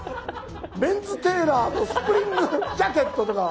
メンズテーラーとスプリングジャケットとか。